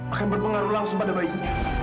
akan berpengaruh langsung pada bayinya